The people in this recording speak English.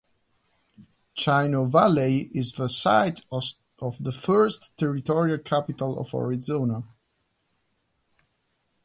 Chino Valley is the site of the first Territorial Capital of Arizona.